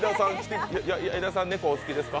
矢井田さん、猫、お好きですか？